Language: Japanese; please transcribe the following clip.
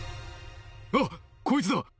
あっ、こいつだ！